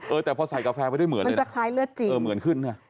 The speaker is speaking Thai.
เออแต่พอใส่กาแฟไปด้วยเหมือนมันจะคล้ายเลือดจริงเออเหมือนขึ้นเนี่ย